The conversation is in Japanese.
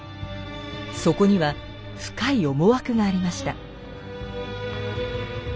そこには深い思惑がありました。